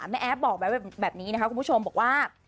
แอฟบอกไว้แบบนี้นะคะคุณผู้ชมบอกว่า